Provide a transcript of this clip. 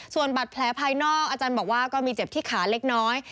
ส่วนบัตรแผลภายนอกอาจารย์บอกว่าก็มีเจ็บที่ขาเล็กน้อย